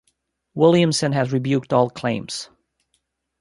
Williamson has rebuked all claims.